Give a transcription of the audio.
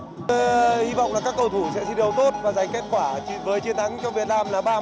tôi hy vọng là các cầu thủ sẽ chiến đấu tốt và giành kết quả với chiến thắng cho việt nam là ba